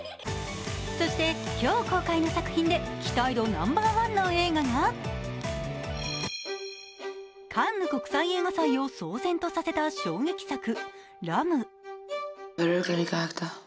そして今日公開の作品で期待度ナンバーワンの映画がカンヌ国際映画祭を騒然とさせた衝撃作「ラム」。